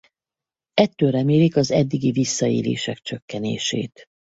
Ettől remélik az eddigi visszaélések csökkenését.